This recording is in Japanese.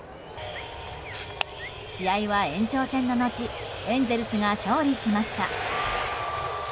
試合は延長戦の後エンゼルスが勝利しました。